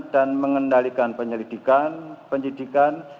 dan mengendalikan penyelidikan penyidikan